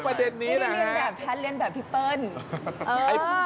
ไม่ได้เรียนแบบแพทเรียนแบบพี่เปิ้ล